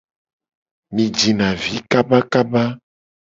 Mi jina vi kabakaba.